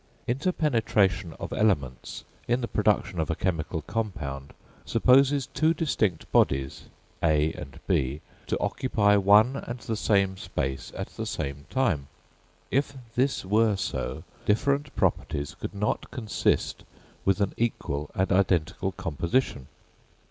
Inter penetration of elements in the production of a chemical compound, supposes two distinct bodies, A and B, to occupy one and the same space at the same time. If this were so, different properties could not consist with an equal and identical composition.